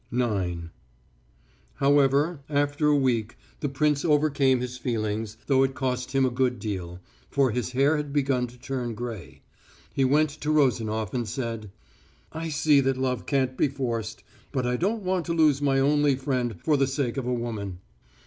IX However, after a week, the prince overcame his feelings, though it cost him a good deal, for his hair had begun to turn grey. He went to Rozanof and said: "I see love can't be forced, but I don't want to lose my only friend for the sake of a woman."